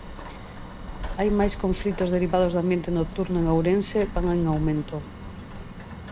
Hai máis conflitos derivados do ambiente nocturno en Ourense van en aumento.